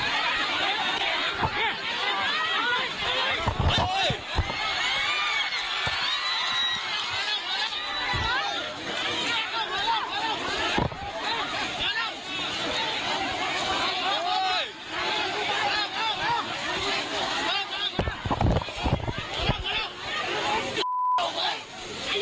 มาเร็วมาเร็วพอเร็วโอ๊ย